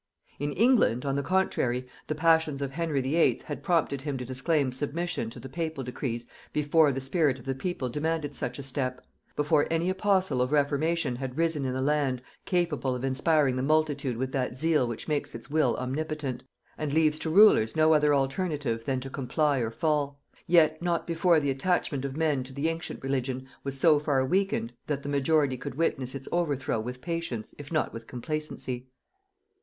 In England, on the contrary, the passions of Henry VIII. had prompted him to disclaim submission to the papal decrees before the spirit of the people demanded such a step, before any apostle of reformation had arisen in the land capable of inspiring the multitude with that zeal which makes its will omnipotent, and leaves to rulers no other alternative than to comply or fall, yet not before the attachment of men to the ancient religion was so far weakened, that the majority could witness its overthrow with patience if not with complacency.